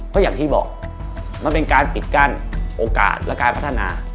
ก็อย่างที่บอกมันเป็นการปิดกั้นโอกาสและการพัฒนา